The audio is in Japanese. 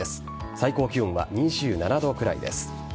最高気温は２７度くらいです。